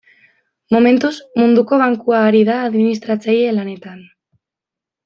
Momentuz, Munduko Bankua ari da administratzaile lanetan.